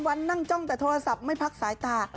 วันนั่งจ้องแต่โทรศัพท์ไม่พักสายตา